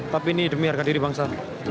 tapi ini demi harga diri bangsa